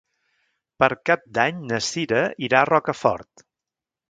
Per Cap d'Any na Cira irà a Rocafort.